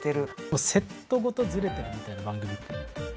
もうセットごとずれてるみたいな番組って。